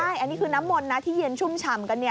ใช่อันนี้คือน้ำมนต์นะที่เย็นชุ่มฉ่ำกัน